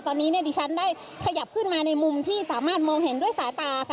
ตอนนี้เนี่ยดิฉันได้ขยับขึ้นมาในมุมที่สามารถมองเห็นด้วยสายตาค่ะ